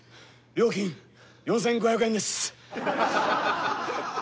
料金４，５００円です。